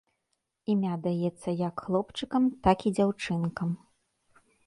Імя даецца як хлопчыкам, так і дзяўчынкам.